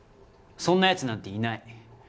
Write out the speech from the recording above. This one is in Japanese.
そんな奴なんていない。